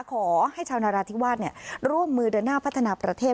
ขอให้ชาวนาราธิวาสร่วมมือเดินหน้าพัฒนาประเทศ